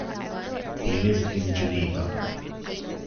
He lived in Geneva.